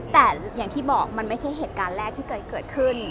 แต่อย่างที่บอกมันไม่ใช่เหตุการณ์แรกที่เกิดขึ้น